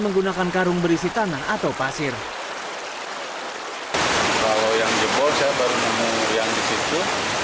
menggunakan karung berisi tanah atau pasir kalau yang jebol saya baru menunggu yang disitu